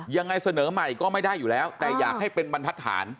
ยังไงเสนอใหม่ก็ไม่ได้อยู่แล้วแต่อยากให้เป็นบรรทัศน